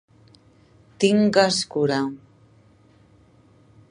Tingues cura.